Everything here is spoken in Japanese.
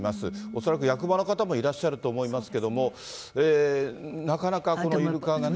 恐らく役場の方もいらっしゃると思いますけど、なかなか、このイルカがね。